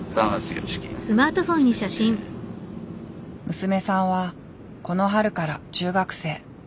娘さんはこの春から中学生。